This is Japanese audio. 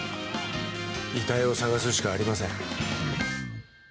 遺体を捜すしかありません。